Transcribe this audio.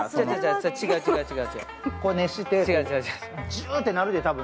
じゅーってなるで多分。